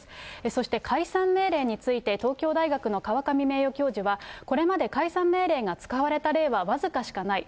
そして解散命令について東京大学の河上名誉教授は、これまで解散命令が使われた例は僅かしかない。